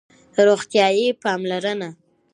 روغتیایی پاملرنه